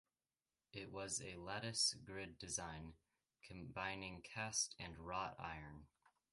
It was a lattice-grid design, combining cast and wrought iron.